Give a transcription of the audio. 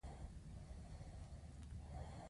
د چین تاریخ د زیار، نوښت او بدلون کیسه ده.